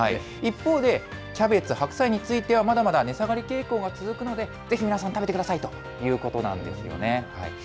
一方で、キャベツ、白菜についてはまだまだ値下がり傾向が続くので、ぜひ皆さん、食べてくださいということなんですよね。